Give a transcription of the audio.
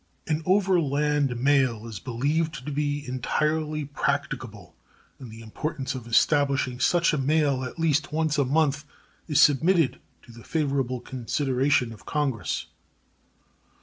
An overland mail is believed to be entirely practicable, and the importance of establishing such a mail at least once a month is submitted to the favorable consideration of Congress.